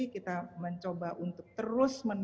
kita mencoba untuk terus menerus